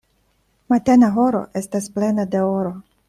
Matena horo estas plena de oro.